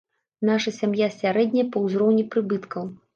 Наша сям'я сярэдняя па ўзроўні прыбыткаў.